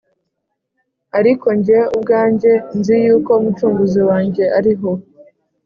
ariko jye ubwanjye nzi yuko umucunguzi wanjye ariho